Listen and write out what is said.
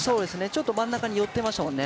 ちょっと真ん中に寄っていましたもんね。